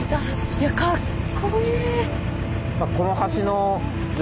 いやかっこいい。